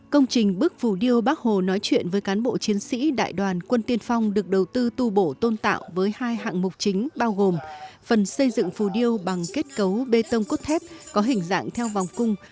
công trình bức phù điêu bác hồ nói chuyện với cán bộ chiến sĩ đại đoàn quân tiên phong được đầu tư tu bổ tôn tạo với hai hạng mục chính bao gồm phần xây dựng phù điêu bằng kết cấu bê tông cốt thép có hình dạng theo vòng cung